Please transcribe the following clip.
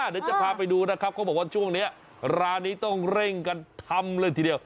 เดี๋ยวจะพาไปดูนะครับเขาบอกว่าช่วงนี้ร้านนี้ต้องเร่งกันทำเลยทีเดียว